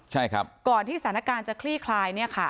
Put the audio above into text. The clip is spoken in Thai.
ใช่ครับก่อนที่สถานการณ์จะคลี่คลายเนี่ยค่ะ